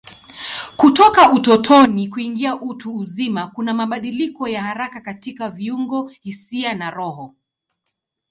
Kutoka utotoni kuingia utu uzima kuna mabadiliko ya haraka katika viungo, hisia na roho.